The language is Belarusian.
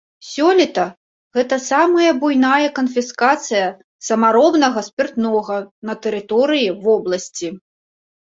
Сёлета гэта самая буйная канфіскацыя самаробнага спіртнога на тэрыторыі вобласці.